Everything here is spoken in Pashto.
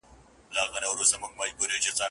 خدایه خواست درته کومه ما خو خپل وطن ته بوزې